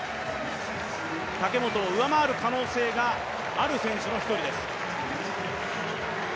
武本を上回る可能性がある選手の一人です。